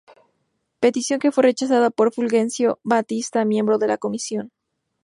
Petición que fue rechazada por Fulgencio Batista, miembro de la comisión.